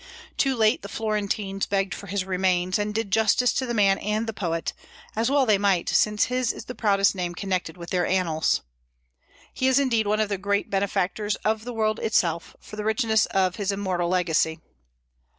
Too late the Florentines begged for his remains, and did justice to the man and the poet; as well they might, since his is the proudest name connected with their annals. He is indeed one of the great benefactors of the world itself, for the richness of his immortal legacy.